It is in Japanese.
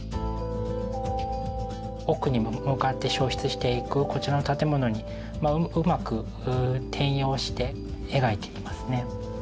奥に向かって消失していくこちらの建物にうまく転用して描いていますね。